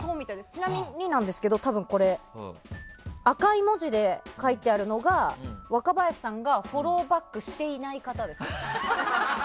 ちなみに赤い文字で書いてあるのが若林さんがフォローバックしていない方です。